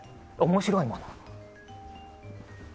面白いものを。